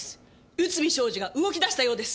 内海将司が動き出したようです！